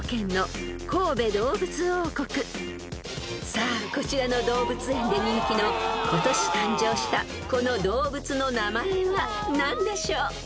［さあこちらの動物園で人気の今年誕生したこの動物の名前は何でしょう］